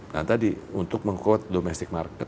nah tadi untuk mengkuat domestic market